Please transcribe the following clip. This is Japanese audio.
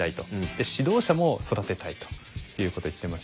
で指導者も育てたいということを言ってましたね。